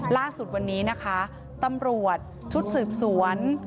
ล่าสุดวันนี้นะคะตำรวจชุดสืบสวน